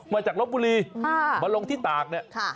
มาจากลบบุรีมาลงที่ตาก